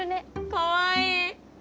かわいい。